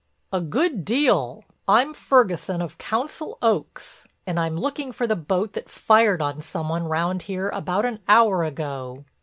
"A good deal. I'm Ferguson of Council Oaks and I'm looking for the boat that fired on some one round here about an hour ago."